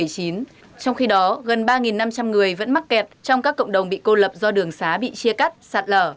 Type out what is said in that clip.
trong khi đó gần ba năm trăm linh người vẫn mắc kẹt trong các cộng đồng bị cô lập do đường xá bị chia cắt sạt lở